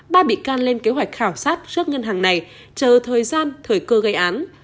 ba bị can lên kế hoạch khảo sát trước ngân hàng này chờ thời gian thời cơ gây án